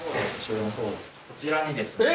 こちらにですね